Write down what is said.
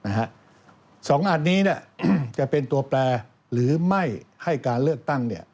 สองอันนี้จะเป็นตัวแปลหรือไม่ให้การเลือกตั้ง